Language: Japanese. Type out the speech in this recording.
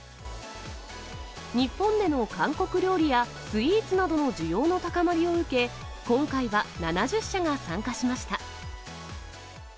日本での韓国料理やスイーツなどの需要の高まりを受け、今回は７０社が参加しました。